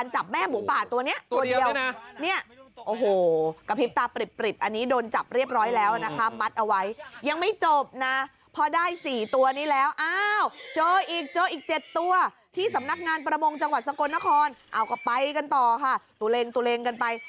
เจ้าอีกเจ้าอีก๗ตัวที่สำนักงานประมงจังหวัดสะกดนครเอากลับไปกันต่อค่ะตูเล็งกันไป